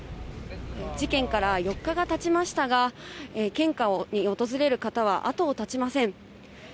事件から４日がたちましたが、献花に訪れる方は後を絶ちません。